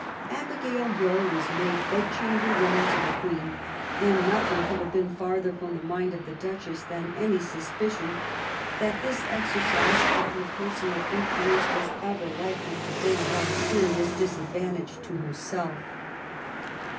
Abigail Hill was made bed chamber woman to the Queen, and nothing could have been further from the mind of the Duchess than anv suspicion that this exercise of her personal influence was ever likely to bring about a serious disadvantage to herself.